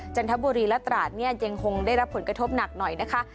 จันทบุรีและตราดเนี่ยยังคงได้รับผลกระทบหนักหน่อยนะคะ